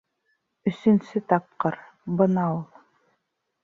Өсөнсө тапҡыр... бына ул!